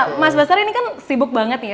nah mas basari ini kan sibuk banget ya